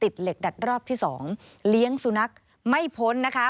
เหล็กดัดรอบที่สองเลี้ยงสุนัขไม่พ้นนะคะ